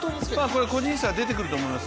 これ個人差、出てくると思います。